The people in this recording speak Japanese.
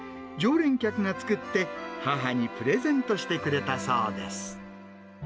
常連客が作って、母にプレゼントしてくれたそうです。